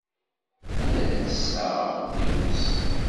Yal ass ssaɣeɣ-d iɣmisen.